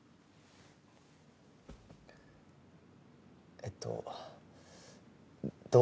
えっとどうかな？